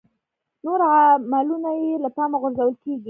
نور عاملونه یې له پامه غورځول کېږي.